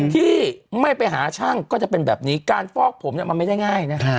ที่ไม่ไปหาช่างก็จะเป็นแบบนี้การฟอกผมเนี่ยมันไม่ได้ง่ายนะ